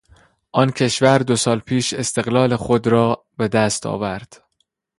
آن کشور دو سال پیش استقلال خود را به دست آورد.